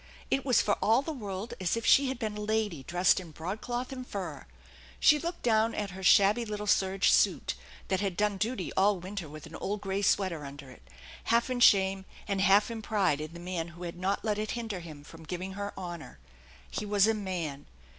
It was for all the world as if she had been a lady dressed in broadcloth and fur. She looked down at her shabby little serge suit that had done duty all winter with an old gray sweater under it half in shame and half in pride in the man who had not let it hinder him from giving her honor. He was a man.